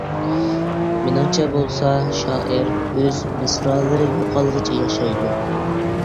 مېنىڭچە بولسا، شائىر ئۆز مىسرالىرى يوقالغۇچە ياشايدۇ.